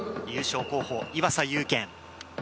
優勝候補、岩佐勇研。